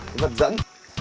cái vật dẫn